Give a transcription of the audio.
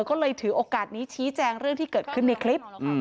ก็เลยถือโอกาสนี้ชี้แจงเรื่องที่เกิดขึ้นในคลิป